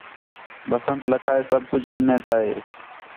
بسنت لَکھا ہِے سب کُج سُنّے تا ہِے